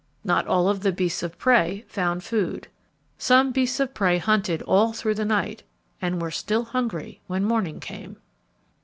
Not all of the beasts of prey found food. Some beasts of prey hunted all through the night and were still hungry when morning came.